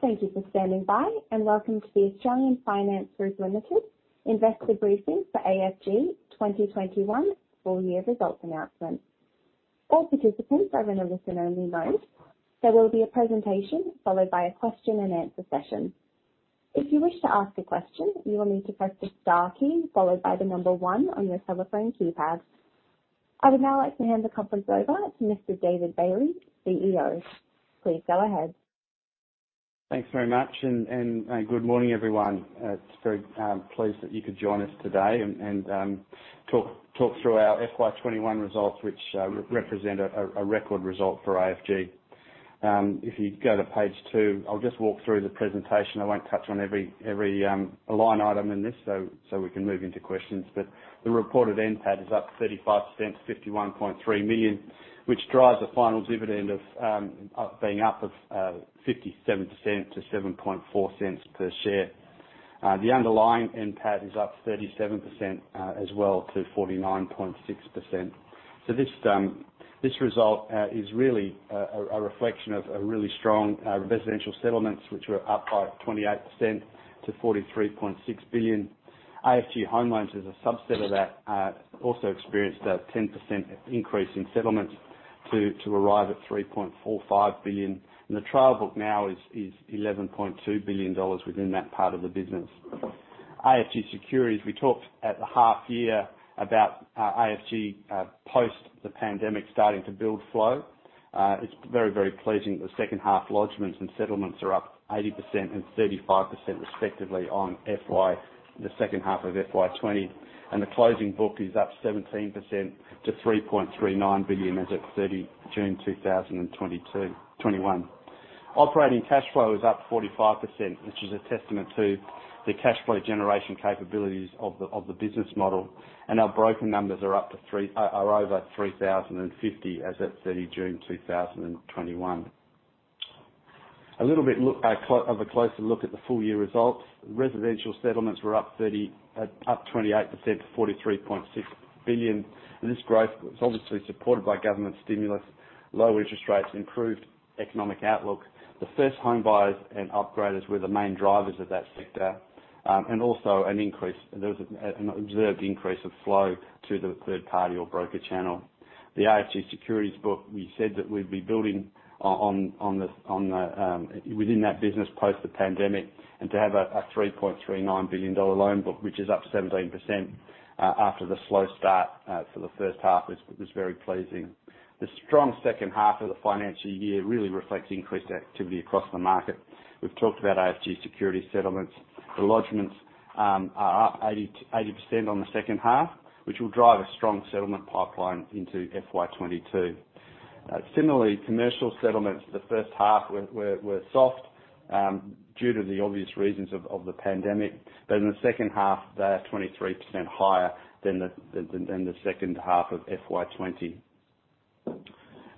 Thank you for standing by, and welcome to the Australian Finance Group Limited investor briefing for AFG 2021 full year results announcement. All participants are in a listen-only mode. There will be a presentation followed by a question and answer session. If you wish to ask a question, you will need to press the star key, followed by number one on your telephone keypad. I would now like to hand the conference over to Mr. David Bailey, CEO. Please go ahead. Thanks very much. Good morning, everyone. I'm pleased that you could join us today and talk through our FY 2021 results, which represent a record result for AFG. If you go to page two, I'll just walk through the presentation. I won't touch on every line item in this, so we can move into questions. The reported NPAT is up 35% to 51.3 million, which drives a final dividend of being up of 57% to 0.074 per share. The underlying NPAT is up 37% as well to 49.6%. This result is really a reflection of a really strong residential settlements, which were up by 28% to 43.6 billion. AFG Home Loans is a subset of that, also experienced a 10% increase in settlements to arrive at 3.45 billion. The trail book now is 11.2 billion dollars within that part of the business. AFG Securities, we talked at the half year about AFG, post the pandemic starting to build flow. It's very, very pleasing that the H2 lodgments and settlements are up 80% and 35% respectively on the second half of FY 2020. The closing book is up 17% to 3.39 billion as at 30 June 2021. Operating cash flow is up 45%, which is a testament to the cash flow generation capabilities of the business model, and our broker numbers are over 3,050 as at 30 June 2021. A little bit of a closer look at the full year results. Residential settlements were up 28% to 43.6 billion. This growth was obviously supported by government stimulus, low interest rates, improved economic outlook. The first home buyers and upgraders were the main drivers of that sector, there was an observed increase of flow through the third party or broker channel. The AFG Securities book, we said that we'd be building within that business post the pandemic, and to have an 3.39 billion dollar loan book, which is up 17% after the slow start for the H1 was very pleasing. The strong H2 of the financial year really reflects increased activity across the market. We've talked about AFG Securities settlements. The lodgments are up 80% on the H2, which will drive a strong settlement pipeline into FY 2022. Similarly, commercial settlements the H1 were soft due to the obvious reasons of the pandemic. In the H2, they are 23% higher than the H2 of FY 2020.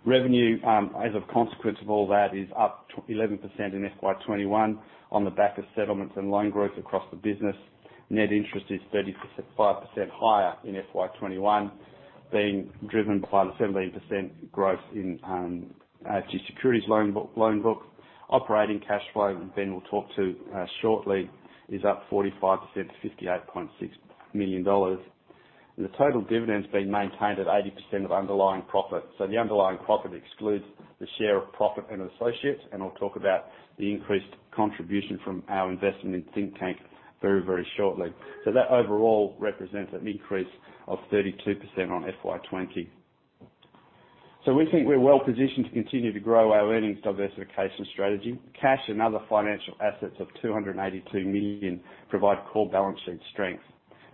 Revenue, as a consequence of all that, is up 11% in FY20 21 on the back of settlements and loan growth across the business. Net interest is 35% higher in FY 2021, being driven by the 17% growth in AFG Securities loan book. Operating cash flow, Ben will talk to shortly, is up 45% to 58.6 million dollars. The total dividends being maintained at 80% of underlying profit. The underlying profit excludes the share of profit and associates, and I'll talk about the increased contribution from our investment in Thinktank very, very shortly. That overall represents an increase of 32% on FY 2020. We think we're well positioned to continue to grow our earnings diversification strategy. Cash and other financial assets of 282 million provide core balance sheet strength.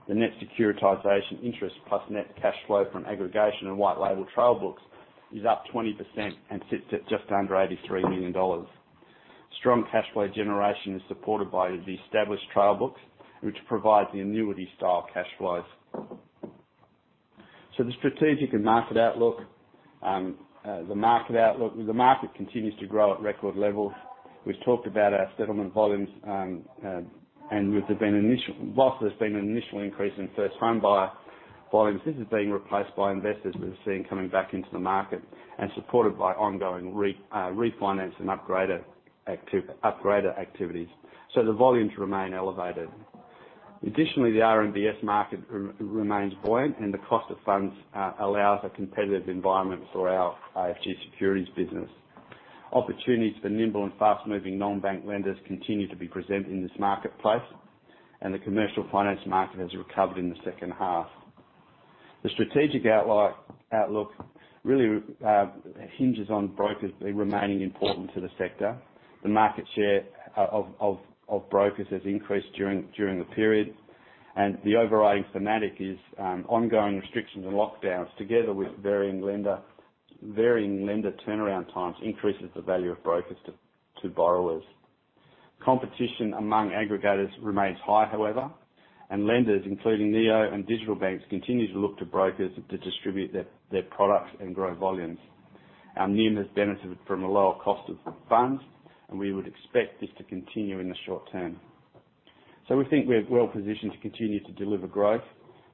The net securitization interest plus net cash flow from aggregation and white label trail books is up 20% and sits at just under 83 million dollars. Strong cash flow generation is supported by the established trail books, which provide the annuity style cash flows. The strategic and market outlook. The market outlook. The market continues to grow at record levels. We've talked about our settlement volumes, and whilst there's been an initial increase in first home buyer volumes, this is being replaced by investors we're seeing coming back into the market and supported by ongoing refinance and upgrader activities. The volumes remain elevated. The RMBS market remains buoyant, and the cost of funds allows a competitive environment for our AFG Securities business. Opportunities for nimble and fast-moving non-bank lenders continue to be present in this marketplace, and the commercial finance market has recovered in the H2. The strategic outlook really hinges on brokers remaining important to the sector. The market share of brokers has increased during the period. The overriding thematic is ongoing restrictions and lockdowns together with varying lender turnaround times increases the value of brokers to borrowers. Competition among aggregators remains high, however, and lenders, including neo and digital banks, continue to look to brokers to distribute their products and grow volumes. Our NIM has benefited from a lower cost of funds, and we would expect this to continue in the short term. We think we're well positioned to continue to deliver growth.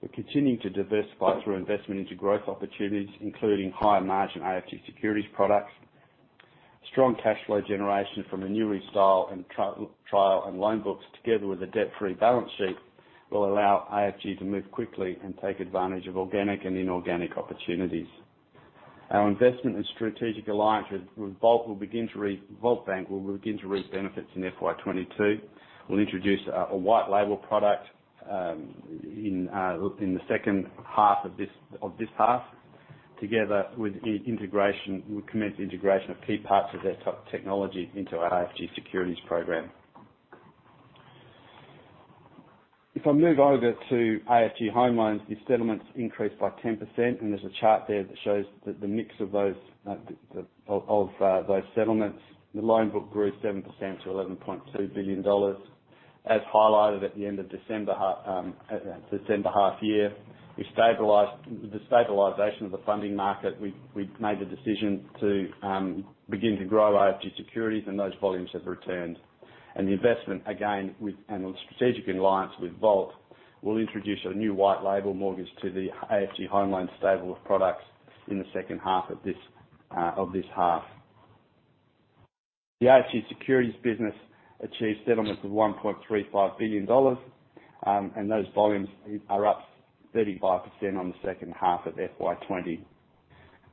We're continuing to diversify through investment into growth opportunities, including higher margin AFG Securities products. Strong cash flow generation from annuity style and trial and loan books, together with a debt-free balance sheet, will allow AFG to move quickly and take advantage of organic and inorganic opportunities. Our investment in strategic alliance with Volt Bank will begin to reap benefits in FY 2022. We'll introduce a white label product in the H2 of this half, together with integration, we commence integration of key parts of their technology into our AFG Securities program. If I move over to AFG Home Loans, these settlements increased by 10%, and there's a chart there that shows the mix of those settlements. The loan book grew 7% to 11.2 billion dollars. As highlighted at the end of December half year, with the stabilization of the funding market, we made the decision to begin to grow AFG Securities, and those volumes have returned. The investment, again, and the strategic alliance with Volt, will introduce a new white label mortgage to the AFG Home Loan stable of products in the H2 of this half. The AFG Securities business achieved settlements of 1.35 billion dollars, and those volumes are up 35% on the H2 of FY 2020.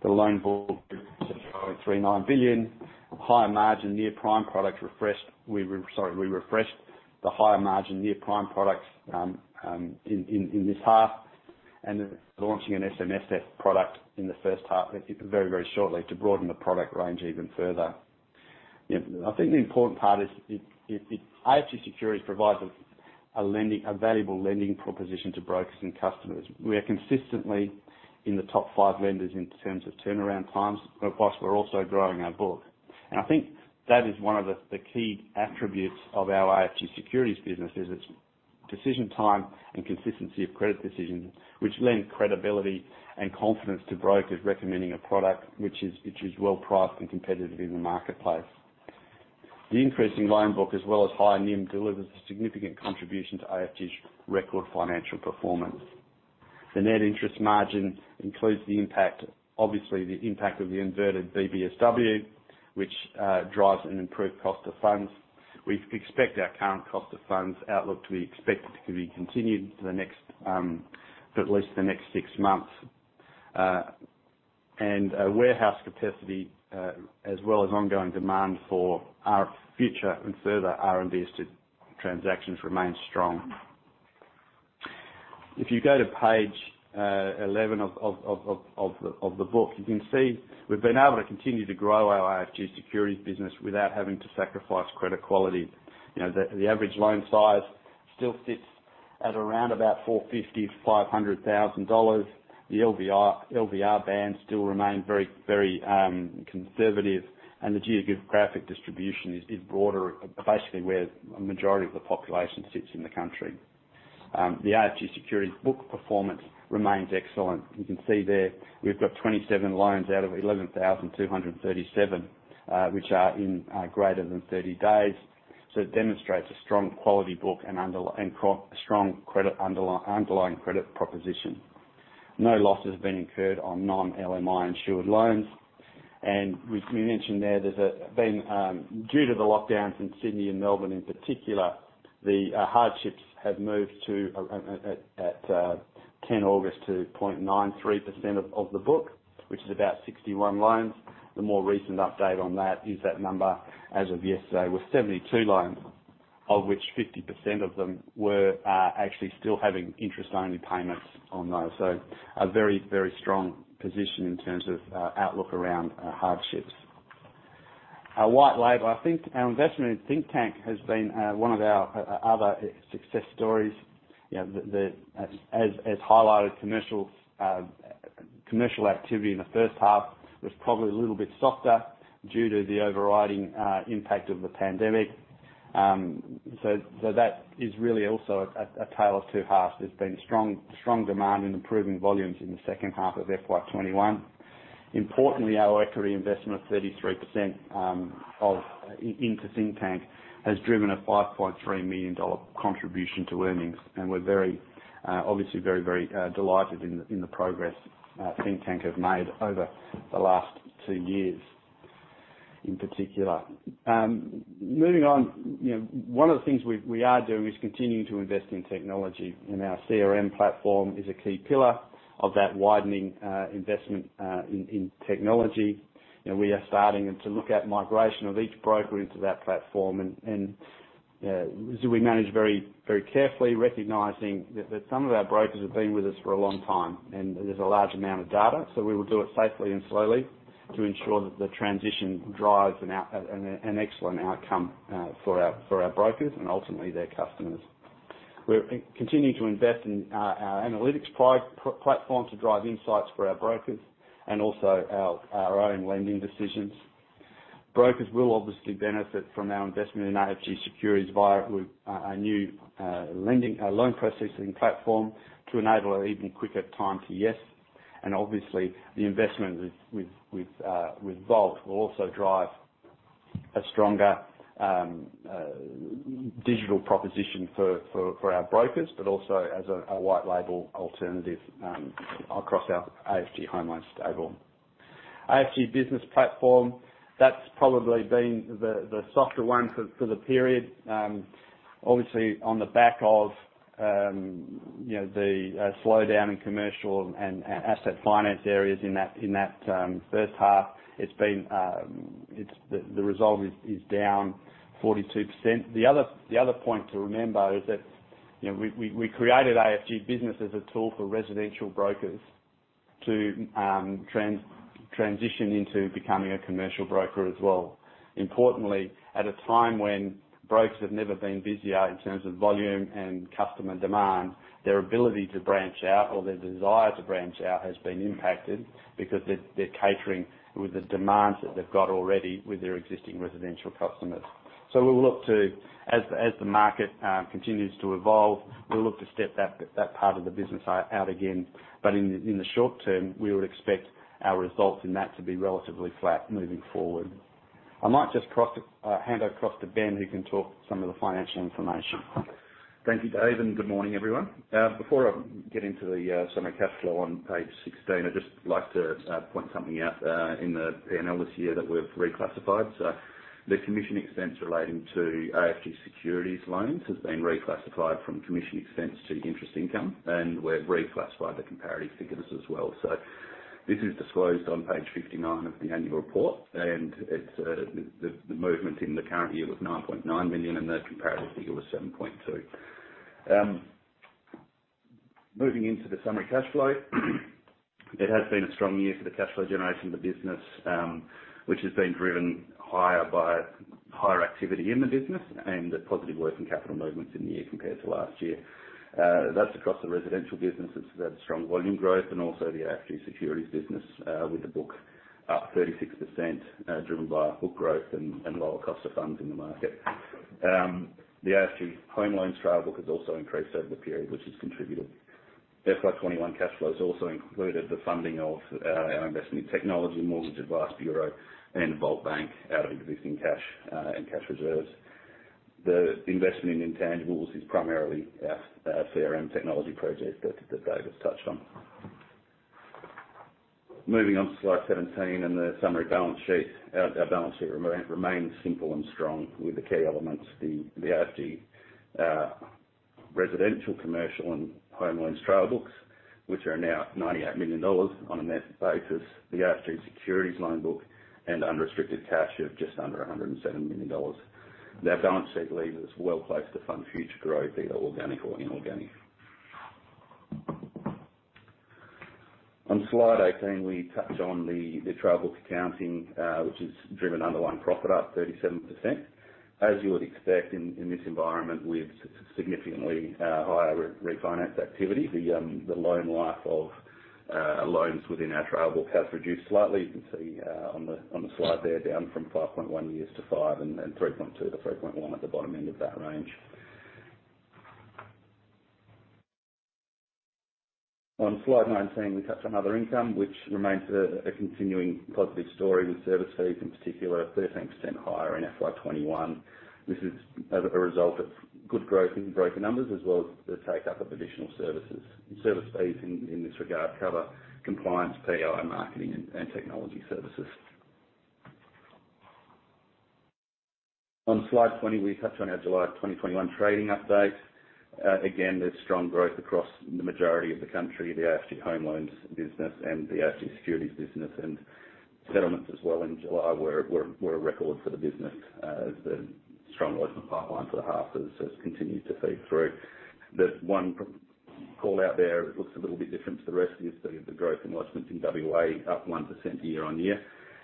The loan book, 3.39 billion. Higher margin near-prime product refreshed. We refreshed the higher margin near-prime products in this half and are launching an SMSF product in the H1, very shortly, to broaden the product range even further. I think the important part is AFG Securities provides a valuable lending proposition to brokers and customers. We are consistently in the top five lenders in terms of turnaround times, but whilst we're also growing our book. I think that is one of the key attributes of our AFG Securities business, is its decision time and consistency of credit decisions, which lend credibility and confidence to brokers recommending a product which is well priced and competitive in the marketplace. The increase in loan book as well as higher NIM delivers a significant contribution to AFG's record financial performance. The net interest margin includes the impact, obviously the impact of the inverted BBSW, which drives an improved cost of funds. We expect our current cost of funds outlook to be expected to be continued for at least the next six months. Warehouse capacity, as well as ongoing demand for our future and further RMBS transactions remain strong. If you go to page 11 of the book, you can see we've been able to continue to grow our AFG Securities business without having to sacrifice credit quality. The average loan size still sits at around about 450,000-500,000 dollars. The LVR band still remain very conservative, and the geographic distribution is broader, basically where a majority of the population sits in the country. The AFG Securities book performance remains excellent. You can see there, we've got 27 loans out of 11,237, which are in greater than 30 days. It demonstrates a strong quality book and strong underlying credit proposition. No loss has been incurred on non-LMI insured loans. We mentioned there, due to the lockdowns in Sydney and Melbourne in particular, the hardships have moved to, at 10 August, to 0.93% of the book, which is about 61 loans. The more recent update on that is that number, as of yesterday, was 72 loans, of which 50% of them were actually still having interest-only payments on those. A very strong position in terms of outlook around hardships. Our white label, I think our investment in Thinktank has been one of our other success stories. As highlighted, commercial activity in the H1 was probably a little bit softer due to the overriding impact of the pandemic. That is really also a tale of two halves. There has been strong demand and improving volumes in the H2 of FY 2021. Importantly, our equity investment of 33% into Thinktank has driven an 5.3 million dollar contribution to earnings, and we are obviously very delighted in the progress Thinktank have made over the last two years in particular. Moving on, one of the things we are doing is continuing to invest in technology, and our CRM platform is a key pillar of that widening investment in technology. We are starting to look at migration of each broker into that platform, and we manage very carefully, recognizing that some of our brokers have been with us for a long time, and there's a large amount of data, so we will do it safely and slowly to ensure that the transition drives an excellent outcome for our brokers and ultimately their customers. We're continuing to invest in our analytics platform to drive insights for our brokers and also our own lending decisions. Brokers will obviously benefit from our investment in AFG Securities via our new loan processing platform to enable an even quicker time to yes. Obviously, the investment with Volt will also drive a stronger digital proposition for our brokers, but also as a white label alternative across our AFG Home Loans stable. AFG Business platform, that's probably been the softer one for the period. Obviously, on the back of the slowdown in commercial and asset finance areas in that H1, the result is down 42%. The other point to remember is that we created AFG Business as a tool for residential brokers to transition into becoming a commercial broker as well. Importantly, at a time when brokers have never been busier in terms of volume and customer demand, their ability to branch out or their desire to branch out has been impacted because they're catering with the demands that they've got already with their existing residential customers. As the market continues to evolve, we'll look to step that part of the business out again. In the short term, we would expect our results in that to be relatively flat moving forward. I might just hand over across to Ben, who can talk some of the financial information. Thank you, Dave, and good morning, everyone. Before I get into the summary cash flow on page 16, I'd just like to point something out in the P&L this year that we've reclassified. The commission expense relating to AFG Securities loans has been reclassified from commission expense to interest income, and we've reclassified the comparative figures as well. This is disclosed on page 59 of the annual report, and the movement in the current year was 9.9 million, and the comparable figure was 7.2 million. Moving into the summary cash flow, it has been a strong year for the cash flow generation of the business, which has been driven higher by higher activity in the business and the positive working capital movements in the year compared to last year. That's across the residential business that's had strong volume growth and also the AFG Securities business, with the book up 36%, driven by book growth and lower cost of funds in the market. The AFG Home Loans trail book has also increased over the period, which has contributed. FY 2021 cash flows also included the funding of our investment in technology, Mortgage Advice Bureau, and Volt Bank out of existing cash and cash reserves. The investment in intangibles is primarily our CRM technology project that David touched on. Moving on to slide 17 and the summary balance sheet. Our balance sheet remains simple and strong with the key elements, the AFG Residential, Commercial, and Home Loans trail books, which are now 98 million dollars on a net basis, the AFG Securities loan book, and unrestricted cash of just under 107 million dollars. Our balance sheet leaves us well placed to fund future growth, be it organic or inorganic. On slide 18, we touch on the trail book accounting, which has driven underlying profit up 37%. As you would expect in this environment, with significantly higher refinance activity, the loan life of loans within our trail book has reduced slightly. You can see on the slide there, down from 5.1 years to five, and 3.2 to 3.1 at the bottom end of that range. On slide 19, we touch on other income, which remains a continuing positive story with service fees, in particular, 13% higher in FY 2021. This is a result of good growth in broker numbers as well as the take-up of additional services. Service fees in this regard cover compliance, PI, marketing, and technology services. On slide 20, we touch on our July 2021 trading update. There's strong growth across the majority of the country, the AFG Home Loans business and the AFG Securities business. Settlements as well in July were a record for the business as the strong lodgement pipeline for the half has continued to feed through. The one call-out there, it looks a little bit different to the rest is the growth in lodgements in WA, up 1% year-on-year.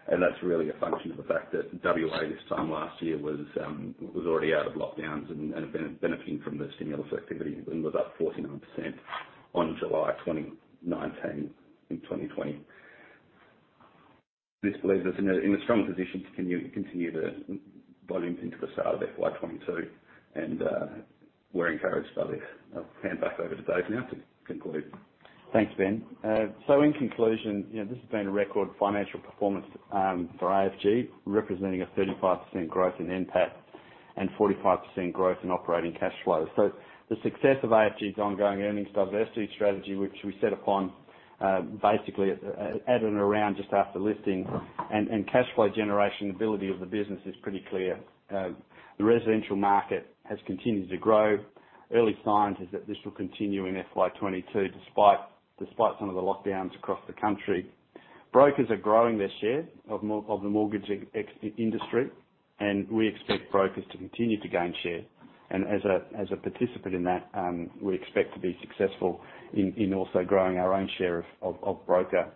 That's really a function of the fact that WA, this time last year, was already out of lockdowns and benefiting from the stimulus activity and was up 49% on July 2019 in 2020. This leaves us in a strong position to continue the volume into the start of FY 2022, and we're encouraged by this. I'll hand back over to Dave now to conclude. Thanks, Ben. In conclusion, this has been a record financial performance for AFG, representing a 35% growth in NPAT and 45% growth in operating cash flow. The success of AFG's ongoing earnings diversity strategy, which we set upon basically at and around just after listing, and cash flow generation ability of the business is pretty clear. The residential market has continued to grow. Early signs is that this will continue in FY 2022, despite some of the lockdowns across the country. Brokers are growing their share of the mortgage industry, and we expect brokers to continue to gain share. As a participant in that, we expect to be successful in also growing our own share of broker.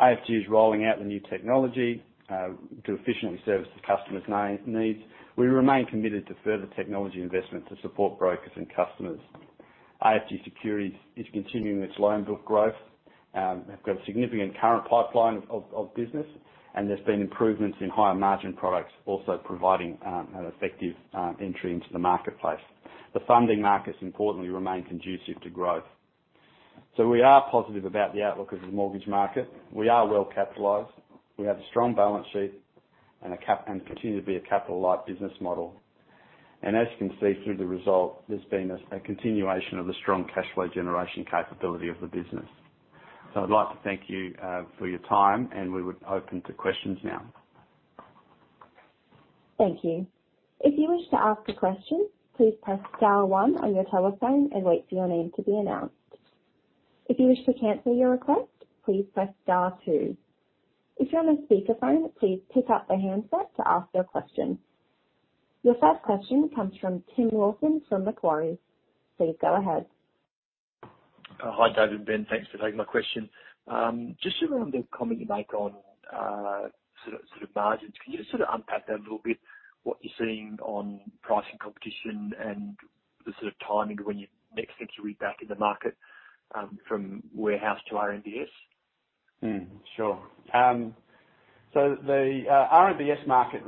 AFG is rolling out the new technology to efficiently service the customer's needs. We remain committed to further technology investment to support brokers and customers. AFG Securities is continuing its loan book growth. They've got a significant current pipeline of business, and there's been improvements in higher margin products, also providing an effective entry into the marketplace. The funding markets importantly remain conducive to growth. We are positive about the outlook of the mortgage market. We are well capitalized. We have a strong balance sheet and continue to be a capital light business model. As you can see through the result, there's been a continuation of the strong cash flow generation capability of the business. I'd like to thank you for your time, and we would open to questions now. Thank you. If you wish to ask a question, please press star one on your telephone and wait for your name to be announced. If you wish to cancel your request, please press star two. If you are on a speaker phone, please take up your hand first to ask your question. Your first question comes from Tim Wilson from Macquarie. Please go ahead. Hi, David and Ben. Thanks for taking my question. Just around the comment you make on sort of margins, can you just unpack that a little bit, what you're seeing on pricing competition and the sort of timing of when you next expect to read back in the market, from warehouse to RMBS? Sure. The RMBS market,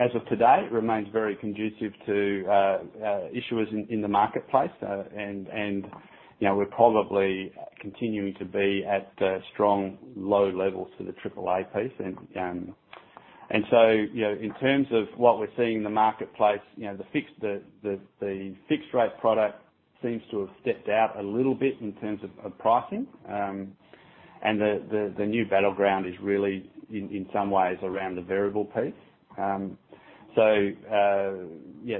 as of today, remains very conducive to issuers in the marketplace. We're probably continuing to be at strong low levels for the triple A piece. In terms of what we're seeing in the marketplace, the fixed rate product seems to have stepped out a little bit in terms of pricing. The new battleground is really, in some ways, around the variable piece. Yeah,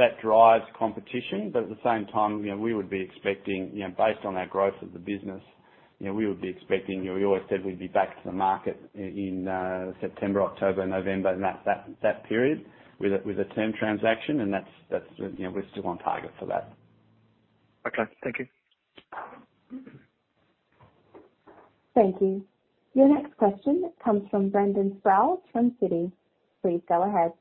that drives competition. At the same time, based on our growth of the business, we would be expecting, we always said we'd be back to the market in September, October, November, and that period, with a term transaction, and we're still on target for that. Okay. Thank you. Thank you. Your next question comes from Brendan Sproules from Citi. Please go ahead.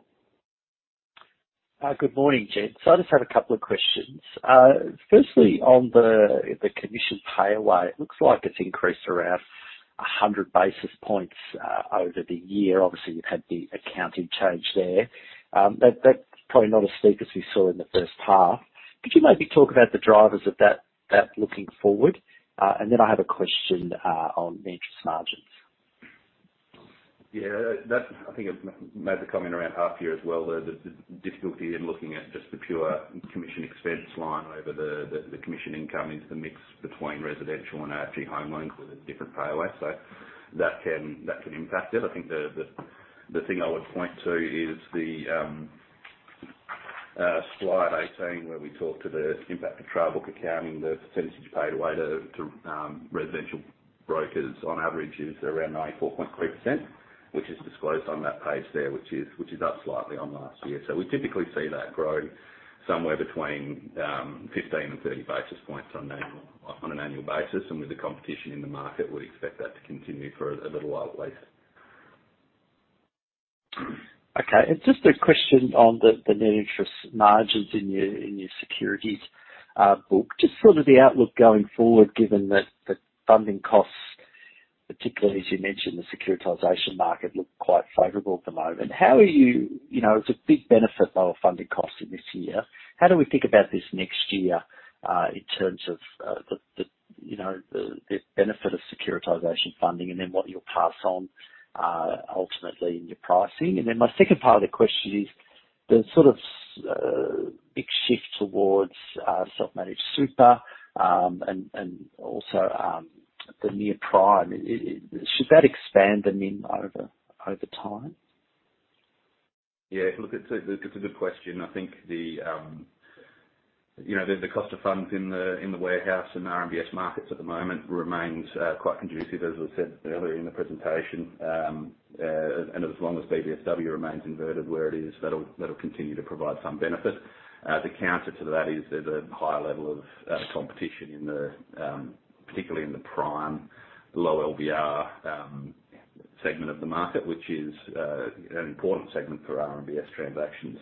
Good morning, gents. I just have a couple of questions. Firstly, on the commission pay away, it looks like it's increased around 100 basis points over the year. Obviously, you've had the accounting change there. That's probably not as steep as we saw in the H1. Could you maybe talk about the drivers of that looking forward? I have a question on interest margins. I think I made the comment around half year as well, the difficulty in looking at just the pure commission expense line over the commission income into the mix between residential and AFG Home Loans with a different pay away. That can impact it. I think the thing I would point to is the slide 18, where we talk to the impact of trail book accounting. The percentage paid away to residential brokers on average is around 94.3%, which is disclosed on that page there, which is up slightly on last year. We typically see that grow somewhere between 15 and 30 basis points on an annual basis. With the competition in the market, we'd expect that to continue for a little while at least. Okay. Just a question on the net interest margins in your securities book, just sort of the outlook going forward, given that the funding costs, particularly as you mentioned, the securitization market looked quite favorable at the moment. It's a big benefit, lower funding costs in this year. How do we think about this next year, in terms of the benefit of securitization funding and then what you'll pass on, ultimately in your pricing? My second part of the question is the sort of big shift towards self-managed super, and also, the near-prime. Should that expand the NIM over time? Yeah, look, it's a good question. I think the cost of funds in the warehouse and RMBS markets at the moment remains quite conducive, as I said earlier in the presentation. As long as BBSW remains inverted where it is, that'll continue to provide some benefit. The counter to that is there's a higher level of competition, particularly in the prime low LVR segment of the market, which is an important segment for RMBS transactions.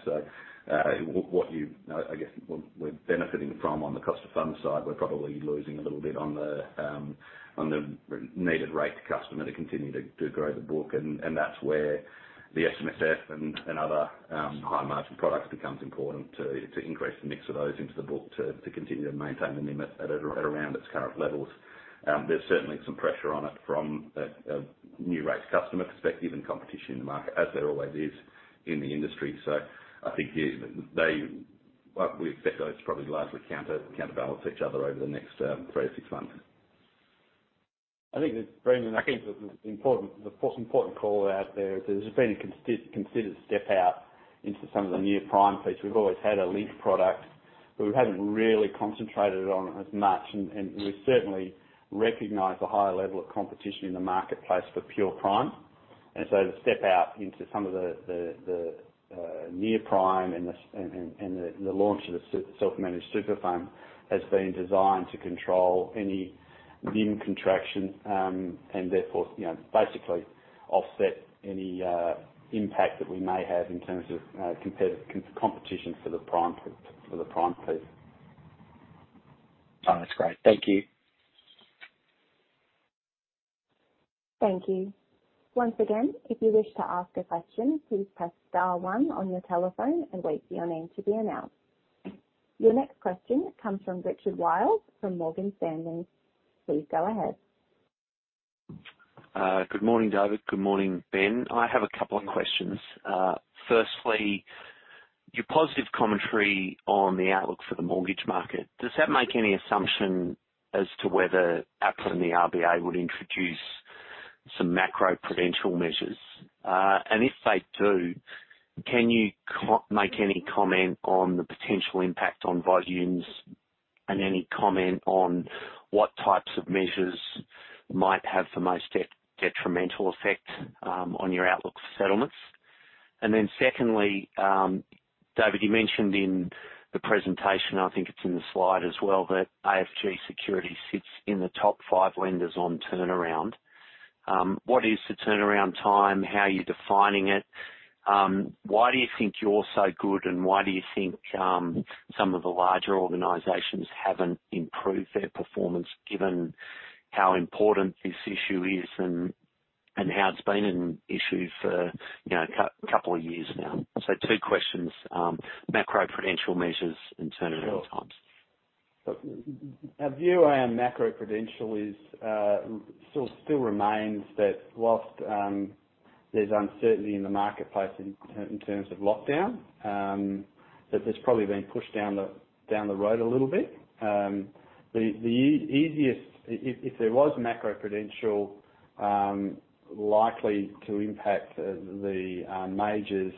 I guess what we're benefiting from on the cost of funds side, we're probably losing a little bit on the needed rate to customer to continue to grow the book, and that's where the SMSF and other high-margin products becomes important to increase the mix of those into the book to continue to maintain the NIM at around its current levels. There's certainly some pressure on it from a new rate customer perspective and competition in the market, as there always is in the industry. I think we expect those to probably largely counterbalance each other over the next 3-6 months. I think, Brendan, the important call out there is there's been a considered step out into some of the near-prime piece. We've always had a link product, we haven't really concentrated on it as much, we certainly recognize the higher level of competition in the marketplace for pure prime. The step out into some of the near-prime and the launch of the self-managed super fund has been designed to control any NIM contraction, therefore basically offset any impact that we may have in terms of competition for the prime piece. Oh, that's great. Thank you. Thank you. Once again, if you wish to ask a question, please press star one on your telephone and wait for your name to be announced. Your next question comes from Richard Wiles from Morgan Stanley. Please go ahead. Good morning, David. Good morning, Ben. I have a couple of questions. Firstly, your positive commentary on the outlook for the mortgage market, does that make any assumption as to whether APRA and the RBA would introduce some macroprudential measures? If they do, can you make any comment on the potential impact on volumes and any comment on what types of measures might have the most detrimental effect on your outlook for settlements? Secondly, David, you mentioned in the presentation, I think it's in the slide as well, that AFG Securities sits in the top five lenders on turnaround. What is the turnaround time? How are you defining it? Why do you think you're so good, and why do you think some of the larger organizations haven't improved their performance, given how important this issue is and how it's been an issue for a couple of years now? Two questions, macroprudential measures and turnaround times. Sure. Our view around macroprudential still remains that whilst there's uncertainty in the marketplace in terms of lockdown, that that's probably been pushed down the road a little bit. If there was macroprudential likely to impact the majors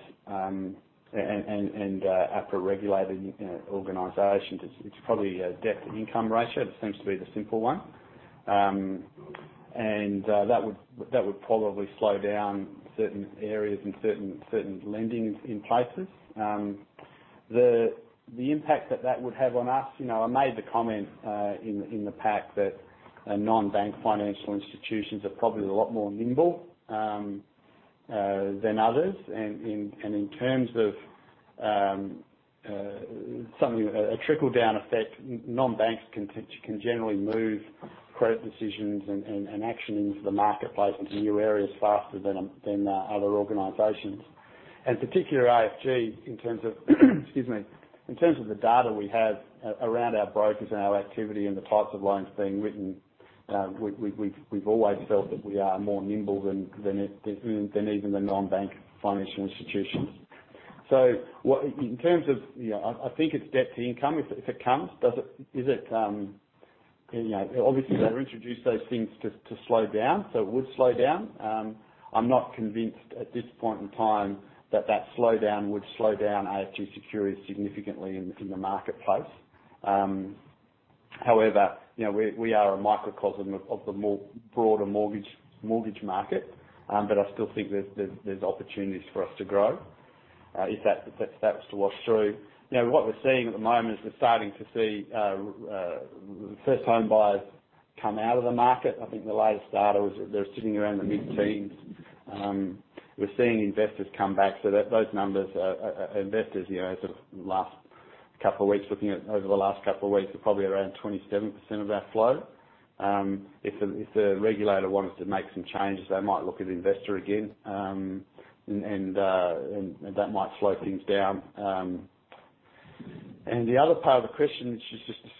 and APRA regulated organizations, it's probably a debt-to-income ratio. That seems to be the simple one. That would probably slow down certain areas and certain lending in places. The impact that that would have on us, I made the comment in the pack that non-bank financial institutions are probably a lot more nimble than others. In terms of a trickle-down effect, non-banks can generally move credit decisions and action into the marketplace into new areas faster than other organizations. Particularly AFG, in terms of excuse me, in terms of the data we have around our brokers and our activity and the types of loans being written, we've always felt that we are more nimble than even the non-bank financial institutions. I think it's debt-to-income, if it comes. Obviously, they've introduced those things to slow down, so it would slow down. I'm not convinced at this point in time that that slowdown would slow down AFG Securities significantly in the marketplace. However, we are a microcosm of the broader mortgage market, but I still think there's opportunities for us to grow, if that was to wash through. What we're seeing at the moment is we're starting to see first home buyers come out of the market. I think the latest data was they're sitting around the mid-teens. We're seeing investors come back. Those numbers, investors, over the last couple of weeks are probably around 27% of our flow. If the regulator wanted to make some changes, they might look at investor again. That might slow things down. The other part of the question?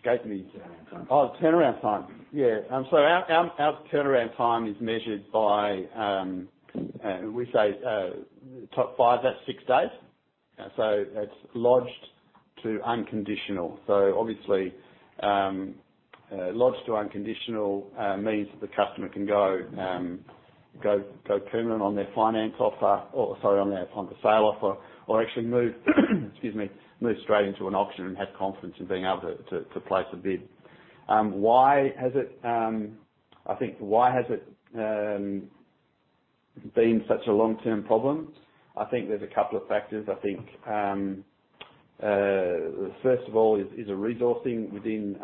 Turnaround time. Oh, turnaround time. Yeah. Our turnaround time is measured by, we say top five, that's six days. That's lodged to unconditional. Obviously, lodged to unconditional means that the customer can go permanent on their finance offer, or sorry, on their point of sale offer, or actually move, excuse me, move straight into an auction and have confidence in being able to place a bid. I think why has it been such a long-term problem? I think there's a couple of factors. I think, first of all is a resourcing within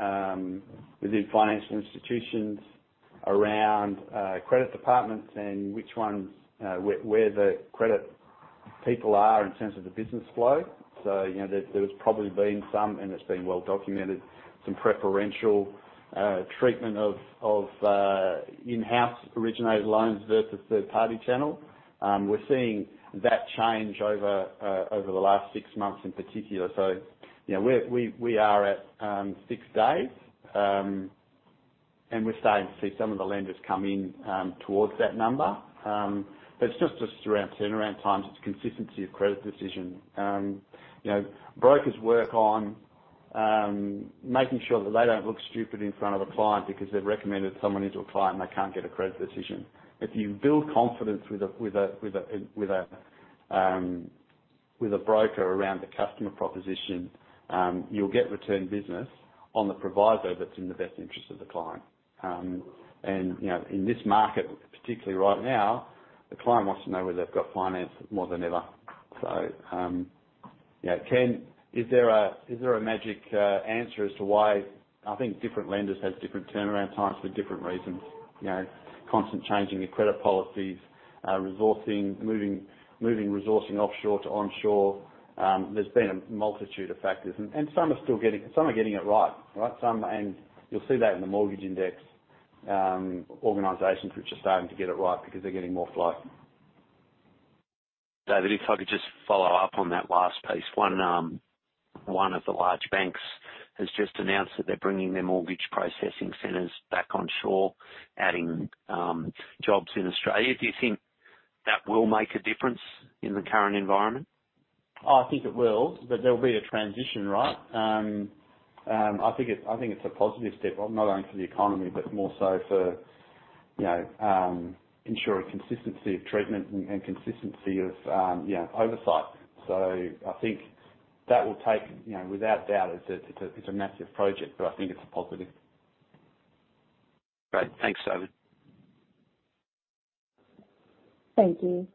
financial institutions around credit departments and where the credit people are in terms of the business flow. There's probably been some, and it's been well documented, some preferential treatment of in-house originated loans versus third-party channel. We're seeing that change over the last six months in particular. We are at six days, and we're starting to see some of the lenders come in towards that number. It's not just around turnaround times, it's consistency of credit decision. Brokers work on making sure that they don't look stupid in front of a client because they've recommended someone into a client and they can't get a credit decision. If you build confidence with a broker around the customer proposition, you'll get return business on the provider that's in the best interest of the client. In this market, particularly right now, the client wants to know whether they've got finance more than ever. Is there a magic answer as to why? I think different lenders have different turnaround times for different reasons. Constant changing of credit policies, resourcing, moving resourcing offshore to onshore. There's been a multitude of factors, and some are getting it right. You'll see that in the mortgage index, organizations which are starting to get it right because they're getting more flow. David, if I could just follow up on that last piece. One of the large banks has just announced that they're bringing their mortgage processing centers back onshore, adding jobs in Australia. Do you think that will make a difference in the current environment? I think it will, but there'll be a transition, right? I think it's a positive step, not only for the economy, but more so for ensuring consistency of treatment and consistency of oversight. I think that will take, without a doubt, it's a massive project, but I think it's a positive. Great. Thanks, David. Thank you.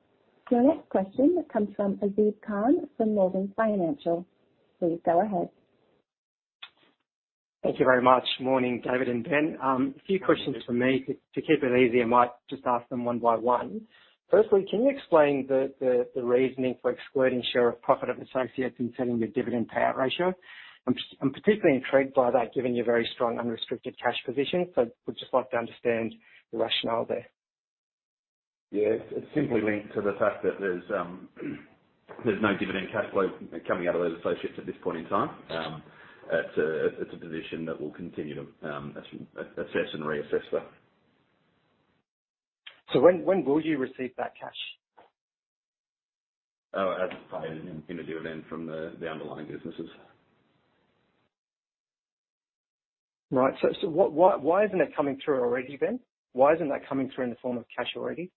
Your next question comes from Azib Khan from Morgans Financial. Please go ahead. Thank you very much. Morning, David and Ben. A few questions from me. To keep it easy, I might just ask them one by one. Firstly, can you explain the reasoning for excluding share of profit of associates in setting your dividend payout ratio? I am particularly intrigued by that given your very strong unrestricted cash position, so would just like to understand the rationale there. Yeah. It's simply linked to the fact that there's no dividend cash flow coming out of those associates at this point in time. It's a position that we'll continue to assess and reassess that. When will you receive that cash? As paid in a dividend from the underlying businesses. Right. Why isn't it coming through already, Ben? Why isn't that coming through in the form of cash already?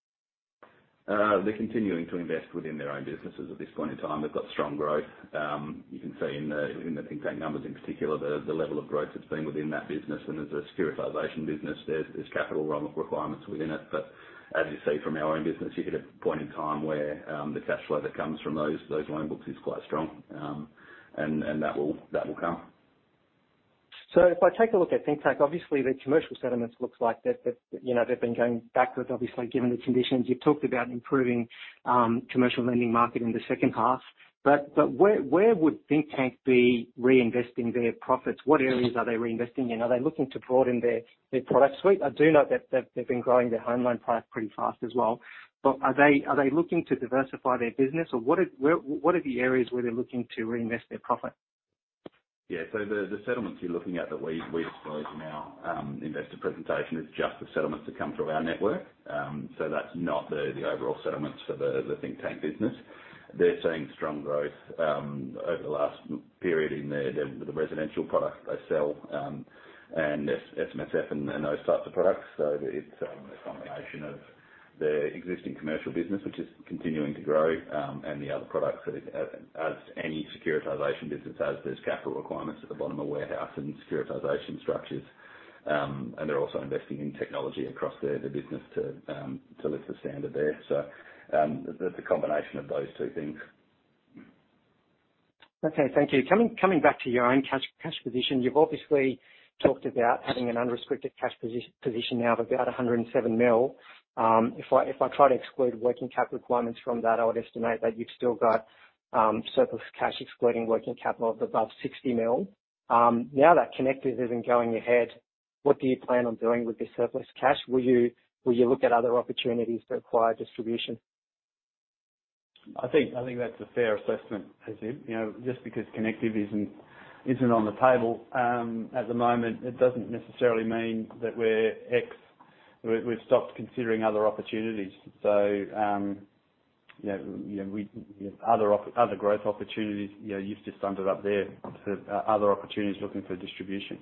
They're continuing to invest within their own businesses at this point in time. They've got strong growth. You can see in the Thinktank numbers in particular, the level of growth that's been within that business and as a securitization business, there's capital requirements within it. As you see from our own business, you hit a point in time where the cash flow that comes from those loan books is quite strong. That will come. If I take a look at Thinktank, obviously their commercial settlements looks like they've been going backwards, obviously, given the conditions. You've talked about improving commercial lending market in the H2. Where would Thinktank be reinvesting their profits? What areas are they reinvesting in? Are they looking to broaden their product suite? I do know that they've been growing their home loan product pretty fast as well. Are they looking to diversify their business? What are the areas where they're looking to reinvest their profit? The settlements you're looking at that we disclose in our investor presentation is just the settlements that come through our network. That's not the overall settlements for the Thinktank business. They're seeing strong growth over the last period in the residential product they sell, and SMSF and those types of products. It's a combination of their existing commercial business, which is continuing to grow, and the other products that as any securitization business has, there's capital requirements at the bottom of warehouse and securitization structures. They're also investing in technology across the business to lift the standard there. It's a combination of those two things. Okay, thank you. Coming back to your own cash position, you've obviously talked about having an unrestricted cash position now of about 107 mil. If I try to exclude working capital requirements from that, I would estimate that you've still got surplus cash excluding working capital of above 60 mil. Now that Connective isn't going ahead, what do you plan on doing with this surplus cash? Will you look at other opportunities to acquire distribution? I think that's a fair assessment, Aziz. Just because Connective isn't on the table at the moment, it doesn't necessarily mean that we've stopped considering other opportunities. Other growth opportunities, you've just summed it up there. Other opportunities looking for distribution.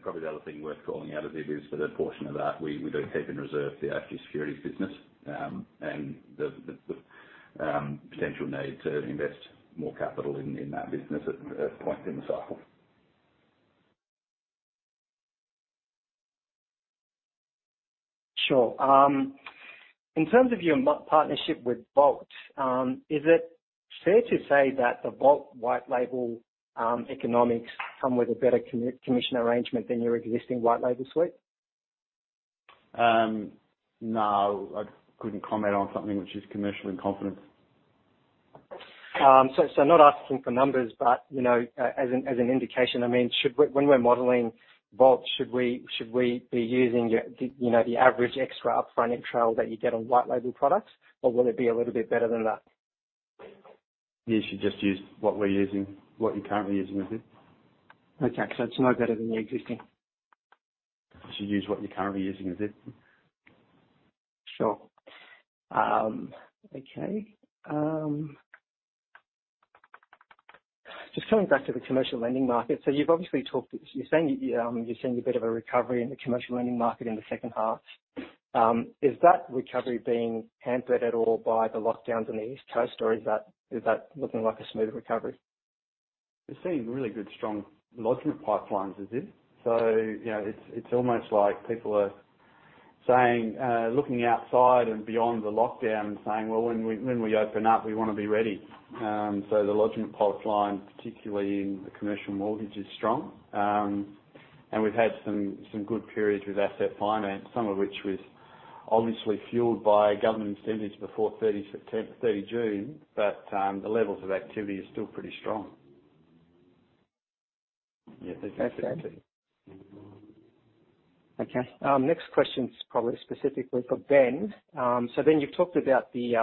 Probably the other thing worth calling out, Aziz, for that portion of that, we do keep in reserve the AFG Securities business, and the potential need to invest more capital in that business at a point in the cycle. Sure. In terms of your partnership with Volt, is it fair to say that the Volt white label economics come with a better commission arrangement than your existing white label suite? No, I couldn't comment on something which is commercial in confidence. Not asking for numbers, but as an indication, when we're modeling Volt, should we be using the average extra upfront intro that you get on white label products? Or will it be a little bit better than that? You should just use what we're using, what you're currently using, Aziz. Okay, it's no better than the existing. You should use what you're currently using, Aziz. Sure. Okay. Just coming back to the commercial lending market. You're saying you're seeing a bit of a recovery in the commercial lending market in the H2. Is that recovery being hampered at all by the lockdowns on the East Coast, or is that looking like a smoother recovery? We're seeing really good, strong lodgment pipelines, Aziz. It's almost like people are looking outside and beyond the lockdown and saying, "Well, when we open up, we want to be ready." The lodgment pipeline, particularly in the commercial mortgage, is strong. We've had some good periods with asset finance, some of which was obviously fueled by government incentives before 30 June, but the levels of activity are still pretty strong. Yeah. Okay. Next question is probably specifically for Ben. Ben, you've talked about the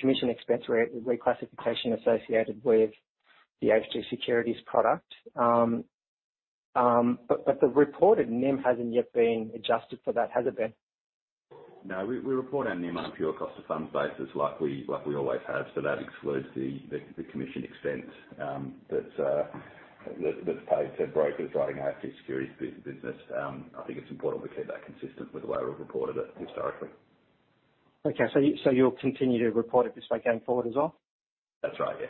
commission expense reclassification associated with the AFG Securities product. But the reported NIM hasn't yet been adjusted for that, has it, Ben? No, we report our NIM on a pure cost of funds basis like we always have. That excludes the commission expense that's paid to brokers writing our AFG Securities business. I think it's important we keep that consistent with the way we've reported it historically. Okay. You'll continue to report it this way going forward as well? That's right, yeah.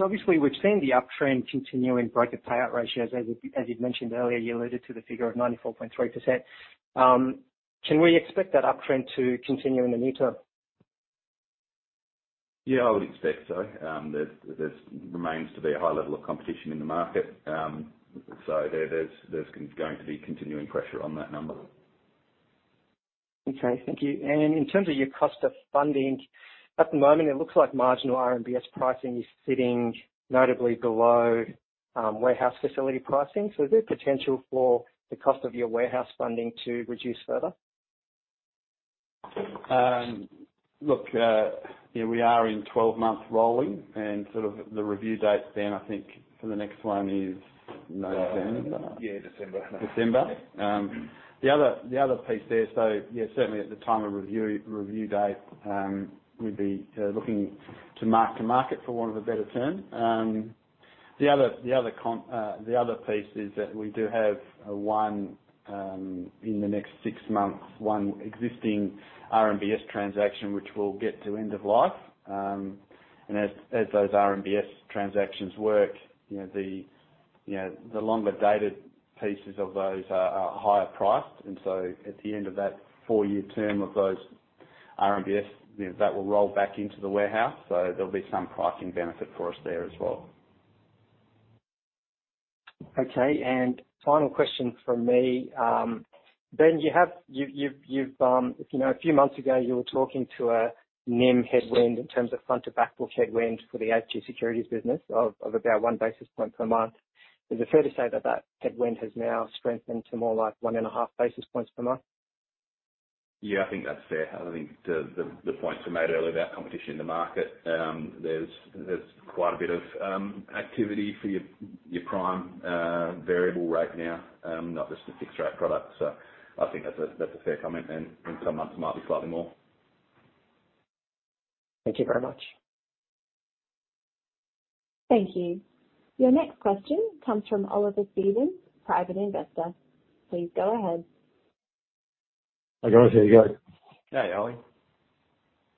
Obviously we've seen the uptrend continue in broker payout ratios. As you'd mentioned earlier, you alluded to the figure of 94.3%. Can we expect that uptrend to continue in the near term? Yeah, I would expect so. There remains to be a high level of competition in the market. There's going to be continuing pressure on that number. Okay. Thank you. In terms of your cost of funding, at the moment it looks like marginal RMBS pricing is sitting notably below warehouse facility pricing. Is there potential for the cost of your warehouse funding to reduce further? Look, yeah, we are in 12-month rolling and sort of the review date then I think for the next one is November. Yeah, December. December. The other piece there, so yeah, certainly at the time of review date, we'd be looking to mark to market for want of a better term. The other piece is that we do have, in the next six months, one existing RMBS transaction, which will get to end of life. As those RMBS transactions work, the longer-dated pieces of those are higher priced. At the end of that four-year term of those RMBS, that will roll back into the warehouse. There'll be some pricing benefit for us there as well. Okay. Final question from me. Ben, a few months ago you were talking to a NIM headwind in terms of front to back book headwind for the AFG Securities business of about 1 basis point per month. Is it fair to say that that headwind has now strengthened to more like 1.5 basis points per month? Yeah, I think that's fair. I think the points we made earlier about competition in the market, there's quite a bit of activity for your prime variable rate now, not just a fixed rate product. I think that's a fair comment, and in some months it might be slightly more. Thank you very much. Thank you. Your next question comes from Oliver Stevens, Private Investor. Please go ahead. Hi, guys. How are you going? Hey, Ollie.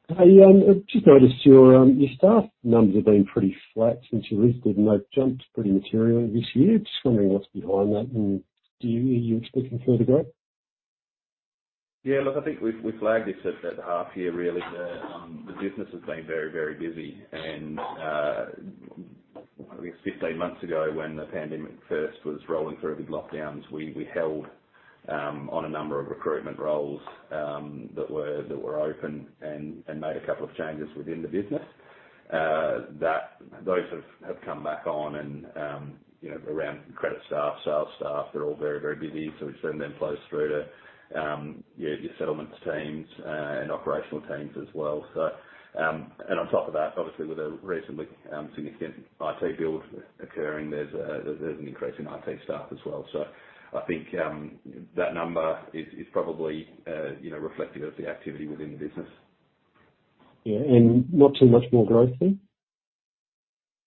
Hey. I've just noticed your staff numbers have been pretty flat since you listed, and they've jumped pretty materially this year. Just wondering what's behind that and are you expecting further growth? Yeah, look, I think we flagged this at the half year really. The business has been very busy and, I think it's 15 months ago when the pandemic first was rolling through with lockdowns, we held on a number of recruitment roles that were open and made a couple of changes within the business. Those have come back on and around credit staff, sales staff, they're all very busy. We've seen them flow through to your settlements teams, and operational teams as well. On top of that, obviously with a recently significant IT build occurring, there's an increase in IT staff as well. I think that number is probably reflective of the activity within the business. Yeah. Not too much more growth there?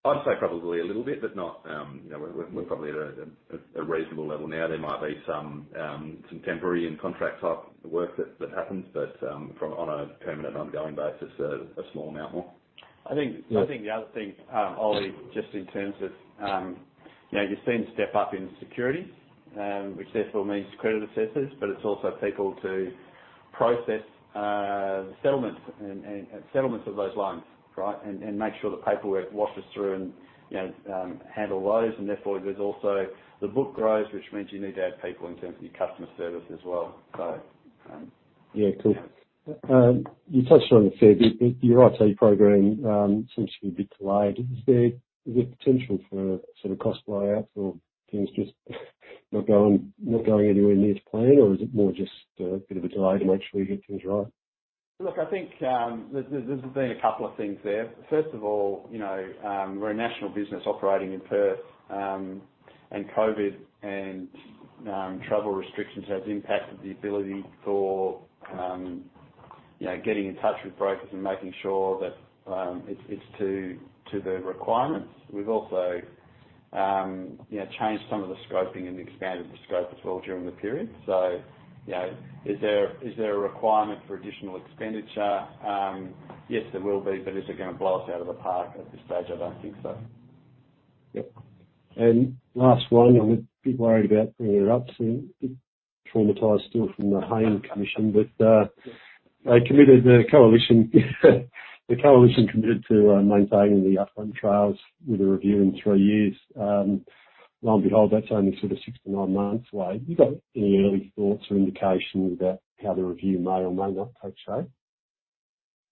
I'd say probably a little bit. We're probably at a reasonable level now. There might be some temporary and contract type work that happens, but on a permanent ongoing basis, a small amount more. I think the other thing, Ollie, just in terms of, you've seen a step up in security, which therefore means credit assessors, but it's also people to process settlements of those loans, right? Make sure the paperwork washes through and handle those. Therefore, there's also the book grows, which means you need to add people in terms of your customer service as well. Yeah, cool. You touched on it fair bit, but your IT program seems to be a bit delayed. Is there potential for sort of cost blow-outs or things just not going anywhere near to plan, or is it more just a bit of a delay to make sure you get things right? Look, I think there's been a couple of things there. First of all, we're a national business operating in Perth, and COVID and travel restrictions has impacted the ability for getting in touch with brokers and making sure that it's to the requirements. We've also changed some of the scoping and expanded the scope as well during the period. Is there a requirement for additional expenditure? Yes, there will be. Is it going to blow us out of the park? At this stage, I don't think so. Yep. Last one. I'm a bit worried about bringing it up, still a bit traumatized still from the Hayne Royal Commission. The coalition committed to maintaining the upfront trails with a review in three years. Lo and behold, that's only sort of 6-9 months away. You got any early thoughts or indication about how the review may or may not take shape?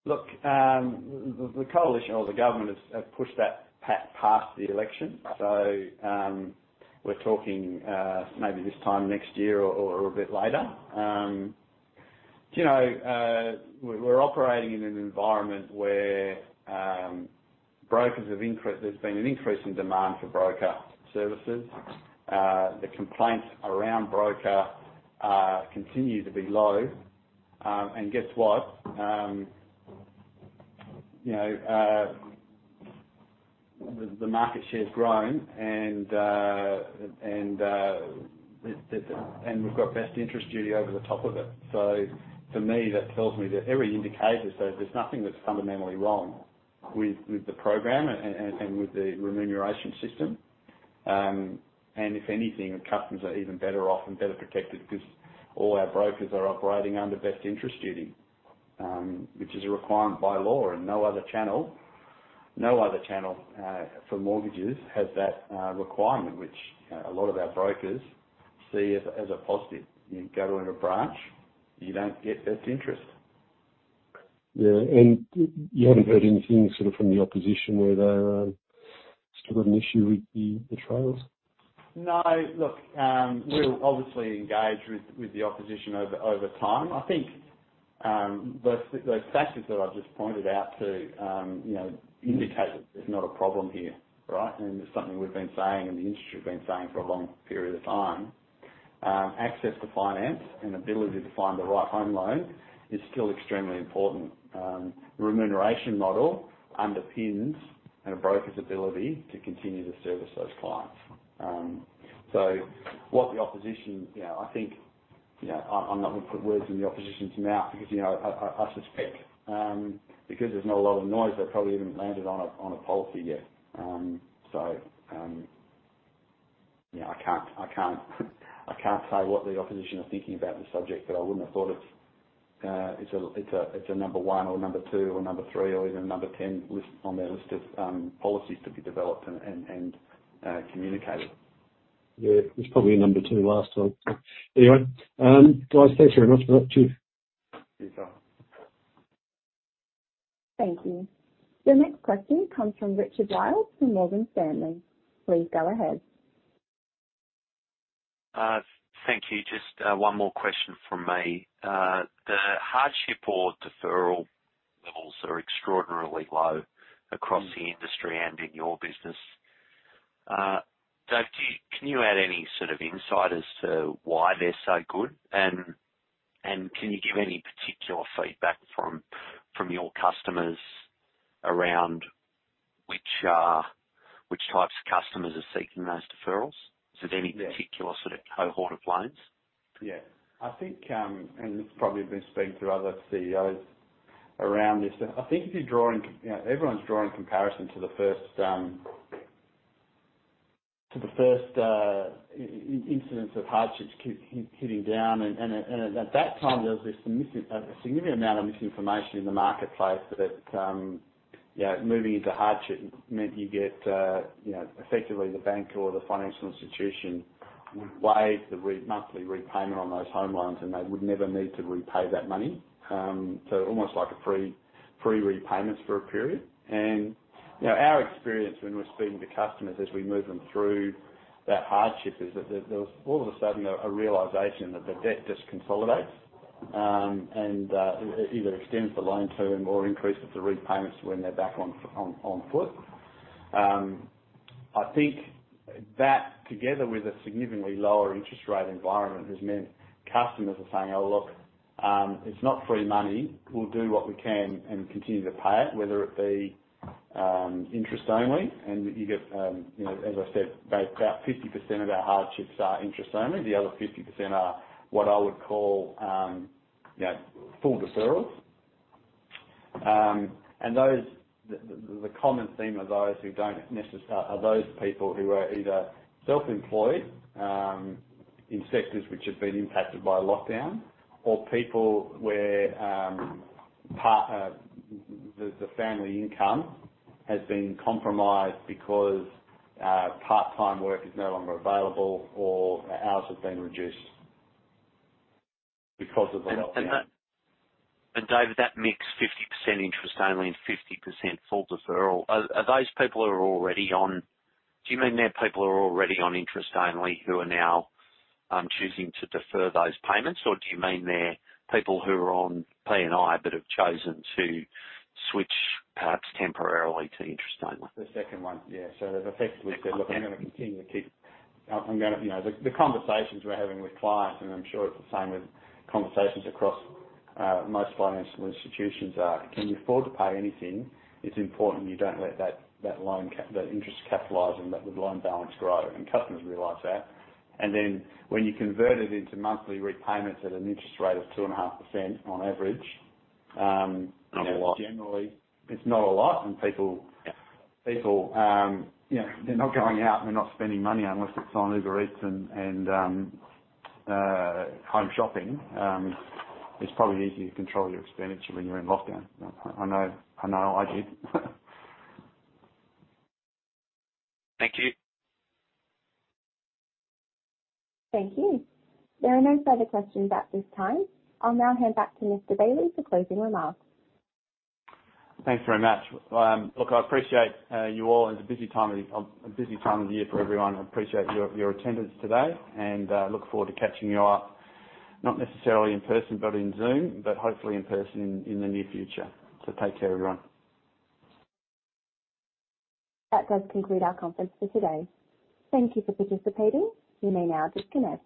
The coalition or the government have pushed that past the election. We're talking maybe this time next year or a bit later. We're operating in an environment where there's been an increase in demand for broker services. The complaints around broker continue to be low. Guess what? The market share's grown and we've got Best Interest Duty over the top of it. To me, that tells me that every indicator says there's nothing that's fundamentally wrong with the program and with the remuneration system. If anything, customers are even better off and better protected because all our brokers are operating under Best Interest Duty, which is a requirement by law, and no other channel for mortgages has that requirement, which a lot of our brokers see as a positive. You go in a branch, you don't get Best Interest. Yeah. You haven't heard anything sort of from the opposition where they still got an issue with the trails? No. Look, we'll obviously engage with the opposition over time. I think those statistics that I've just pointed out too indicate that there's not a problem here, right? It's something we've been saying and the industry has been saying for a long period of time. Access to finance and ability to find the right home loan is still extremely important. Remuneration model underpins a broker's ability to continue to service those clients. What the opposition, I think, I'm not going to put words in the opposition's mouth because, I suspect, because there's not a lot of noise, they've probably haven't landed on a policy yet. I can't say what the opposition are thinking about the subject, but I wouldn't have thought it's a number one or number two or number three or even a number 10 on their list of policies to be developed and communicated. Yeah. It was probably a number two last time. Anyway, guys, thanks very much for that, chief. No problem. Thank you. Your next question comes from Richard Wiles from Morgan Stanley. Please go ahead. Thank you. Just one more question from me. The hardship or deferral levels are extraordinarily low across the industry and in your business. Dave, can you add any sort of insight as to why they're so good, and can you give any particular feedback from your customers around which types of customers _are seeking those deferrals? Is it any particular sort of cohort of loans? Yeah. I think this probably has been spoken to other CEOs around this, I think everyone's drawing comparison to the first incidence of hardships hitting down, and at that time, there was a significant amount of misinformation in the marketplace that moving into hardship meant you get effectively the bank or the financial institution would waive the monthly repayment on those home loans, and they would never need to repay that money. Almost like a free prepayment for a period. Our experience when we're speaking to customers as we move them through that hardship is that there was all of a sudden a realization that the debt just consolidates, and it either extends the loan term or increases the repayments when they're back on foot. I think that, together with a significantly lower interest rate environment, has meant customers are saying, "Oh, look, it's not free money. We'll do what we can and continue to pay it," whether it be interest only. As I said, about 50% of our hardships are interest only. The other 50% are what I would call full deferrals. The common theme of those people who are either self-employed, in sectors which have been impacted by lockdown, or people where the family income has been compromised because part-time work is no longer available or hours have been reduced because of the lockdown. David, that mix, 50% interest only and 50% full deferral, do you mean they're people who are already on interest only who are now choosing to defer those payments, or do you mean they're people who are on P&I but have chosen to switch perhaps temporarily to interest only? The second one. Yeah. They've effectively said, "Look." The conversations we're having with clients, and I'm sure it's the same with conversations across most financial institutions, are, can you afford to pay anything? It's important you don't let that interest capitalize and that the loan balance grow. Customers realize that. When you convert it into monthly repayments at an interest rate of 2.5% on average. Not a lot. Generally, it's not a lot, and people, they're not going out and they're not spending money unless it's on Uber Eats and home shopping. It's probably easier to control your expenditure when you're in lockdown. I know I did. Thank you. Thank you. There are no further questions at this time. I'll now hand back to Mr. Bailey for closing remarks. Thanks very much. Look, I appreciate you all. It's a busy time of the year for everyone. I appreciate your attendance today and look forward to catching you up, not necessarily in person, but in Zoom, but hopefully in person in the near future. Take care, everyone. That does conclude our conference for today. Thank you for participating. You may now disconnect.